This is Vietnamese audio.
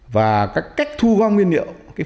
và các cách thu gom nguyên liệu